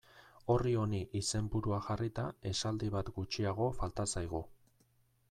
Orri honi izenburua jarrita, esaldi bat gutxiago falta zaigu.